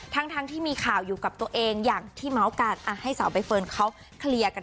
ทั้งที่มีข่าวอยู่กับตัวเองอย่างที่เมาส์การ